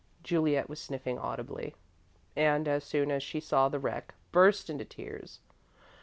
Juliet was sniffing audibly, and, as soon as she saw the wreck, burst into tears.